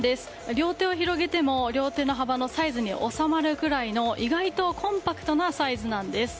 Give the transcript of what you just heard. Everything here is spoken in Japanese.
両手を広げても両手の幅のサイズに収まるくらいの意外とコンパクトなサイズなんです。